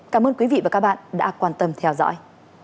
cảm ơn quý vị và các bạn đã quan tâm theo dõi